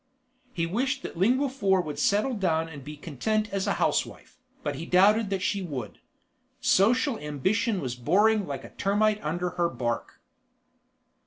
He wished that Lingua Four would settle down and be content as a housewife, but he doubted that she would. Social ambition was boring like a termite under her bark.